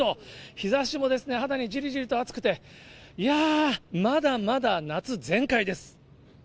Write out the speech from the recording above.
日ざしも肌にじりじりと暑くて、いやー、まだまだ夏全開です。